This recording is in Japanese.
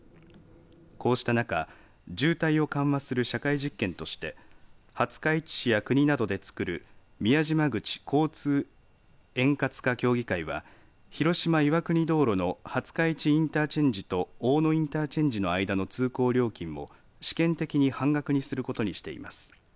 こうした中渋滞を緩和する社会実験として廿日市市や国などで作る宮島口交通円滑化協議会は広島岩国道路の廿日市インターチェンジと大野インターチェンジの間の通行料金を試験的に半額にすることにしています。